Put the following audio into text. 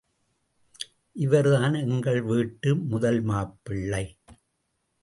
இவர்தான் எங்கள் வீட்டு முதல் மாப்பிள்ளை.